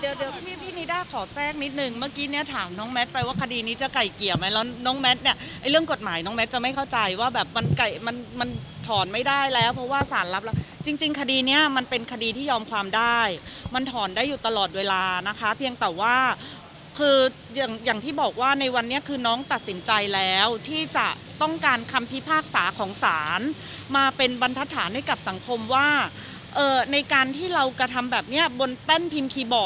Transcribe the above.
เดี๋ยวเดี๋ยวพี่พี่นิด้าขอแทรกนิดหนึ่งเมื่อกี้เนี่ยถามน้องแมทไปว่าคดีนี้จะไก่เกี่ยวไหมแล้วน้องแมทเนี่ยเรื่องกฎหมายน้องแมทจะไม่เข้าใจว่าแบบมันไก่มันมันถอนไม่ได้แล้วเพราะว่าสารรับแล้วจริงจริงคดีเนี่ยมันเป็นคดีที่ยอมความได้มันถอนได้อยู่ตลอดเวลานะคะเพียงแต่ว่าคืออย่างอย่างที่บอกว